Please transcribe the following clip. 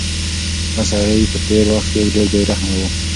هغه سړی په تېر وخت کې ډېر بې رحمه و.